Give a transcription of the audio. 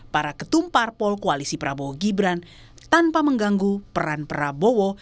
para ketumpar pol koalisi prabowo gibran tanpa mengganggu peran prabowo